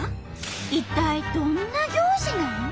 一体どんな行事なん？